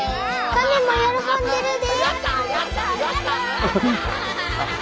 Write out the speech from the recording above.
カメも喜んでるで！